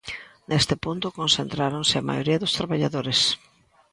Neste punto concentráronse a maioría dos traballadores.